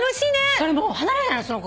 それもう離れないその子が。